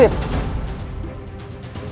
ditinggalkan raka wisapati falaguna